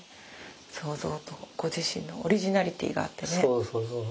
創造とご自身のオリジナリティーがあってね。